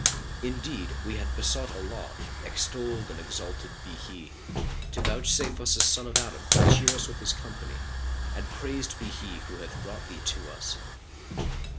Indeed, we had besought Allah (extolled and exalted be He!) to vouchsafe us a son of Adam to cheer us with his company and praised be He who hath brought thee to us!